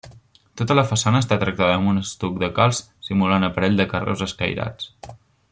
Tota la façana està tractada amb un estuc de calç simulant aparell de carreus escairats.